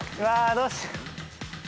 どうしようかな。